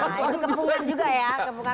nah itu kepungan juga ya